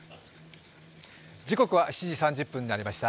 時刻は７時３０分になりました。